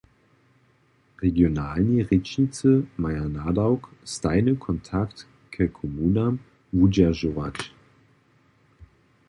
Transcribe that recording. Regionalni rěčnicy maja nadawk, stajny kontakt ke komunam wudźeržować.